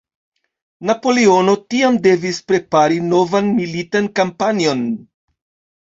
Napoleono tiam devis prepari novan militan kampanjon.